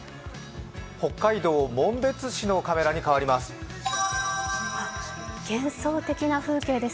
北海道紋別市のカメラに変わります。